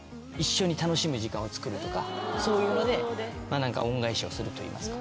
そういうので恩返しをするといいますか。